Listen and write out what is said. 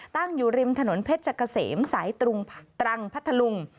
ตั้งอยู่ริมถนนเพชรเกษมสายตรุงตรังพัทธลุง